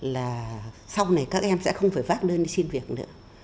là sau này các em sẽ không phải vác lên đi xin việc nữa